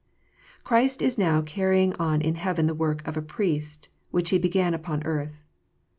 Christ is now carrying on in heaven the work of a Priest, which He began upon earth.